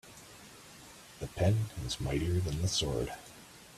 The pen is mightier than the sword.